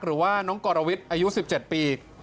หรือว่าน้องกรวิทย์อายุ๑๗ปี